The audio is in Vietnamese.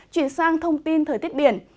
chuyển sang thông tin thời tiết biển